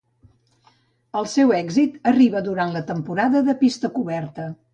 El seu èxit arriba durant la temporada de pista coberta.